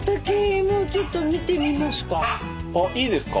あいいですか？